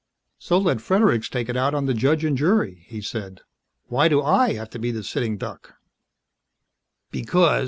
"So let Fredericks take it out on the judge and jury," he'd said. "Why do I have to be the sitting duck?" "Because